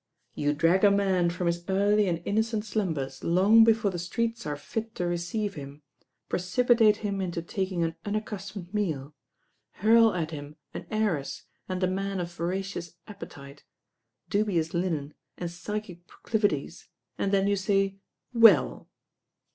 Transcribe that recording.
"You drag a man from hit early and innocent •lumbers long before the streets are fit to receive him, precipitate him into taking an unaccustomed meal, hurl at him an heiress and a man of voracious appetite, dubious linen and psychic proclivities, and then you say, 'Well.'